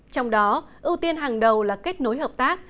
trong đó ưu tiên hàng đầu là kết nối hợp tác